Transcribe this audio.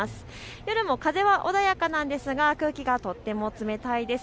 夜も風は穏やかなんですが空気がとっても冷たいです。